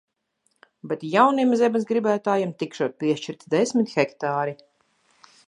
Bet jauniem zemes gribētājiem tikšot piešķirts desmit hektāri.